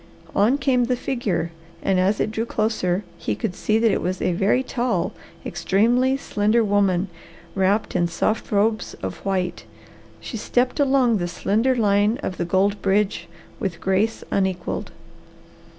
On came the figure and as it drew closer he could see that it was a very tall, extremely slender woman, wrapped in soft robes of white. She stepped along the slender line of the gold bridge with grace unequalled.